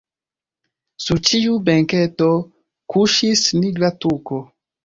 Sur ĉiu benketo kuŝis nigra tuko.